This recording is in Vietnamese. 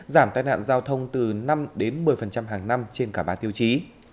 giảm tai nạn giao thông từ năm đến một mươi hàng năm trên cả ba tiêu chí